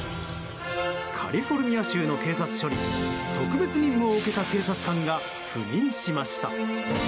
カリフォルニア州の警察署に特別任務を受けた警察官が赴任しました。